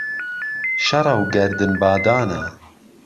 شەڕە و گەردن بادانە